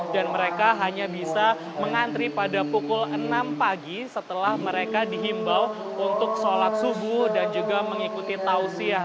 dan mereka hanya bisa mengantri pada pukul enam pagi setelah mereka dihimbau untuk sholat subuh dan juga mengikuti tausiah